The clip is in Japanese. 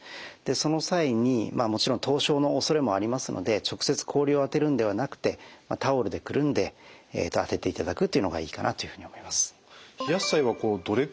その際にもちろん凍傷の恐れもありますので直接氷を当てるんではなくてタオルでくるんで当てていただくというのがいいかなというふうに思います。